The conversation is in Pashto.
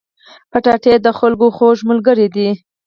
کچالو د خلکو خوږ ملګری دی